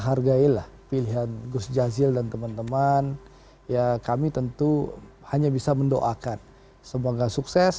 hargailah pilihan gus jazil dan teman teman ya kami tentu hanya bisa mendoakan semoga sukses